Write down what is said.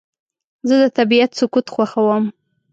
زه د طبیعت سکوت خوښوم.